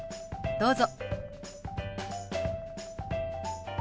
どうぞ。